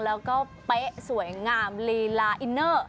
แล้วก็เป๊ะสวยงามลีลาอินเนอร์